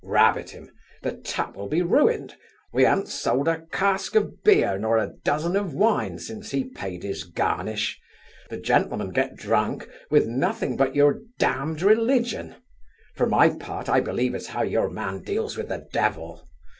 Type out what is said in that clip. Rabbit him! the tap will be ruined we han't sold a cask of beer, nor a dozen of wine, since he paid his garnish the gentlemen get drunk with nothing but your damned religion. For my part, I believe as how your man deals with the devil.